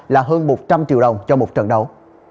là hơn một trăm linh triệu đồng cho một trận đấu